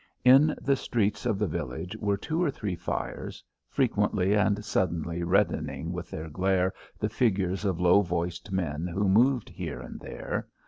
In the streets of the village were two or three fires, frequently and suddenly reddening with their glare the figures of low voiced men who moved here and there.